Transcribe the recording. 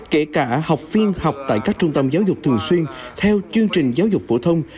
kể cả học viên học tại các trung tâm giáo dục thường xuyên theo chương trình giáo dục phổ thông